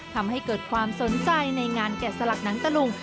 ทำให้เกิดความสนใจในงานแกะสลักหนังตะลุง